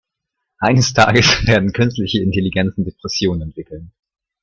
Eines Tages werden künstliche Intelligenzen Depressionen entwickeln.